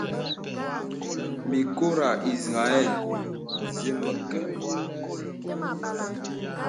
Mì kɔrə̄ ìzrəɛl zə məkə.